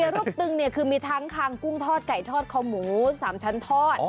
อีเปียรวบตึงเนี่ยคือมีทั้งข้างกุ้งทอดไก่ทอดข้าวหมู๓ชั้นทอด